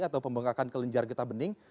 atau pembangkakan kelenjar kita bening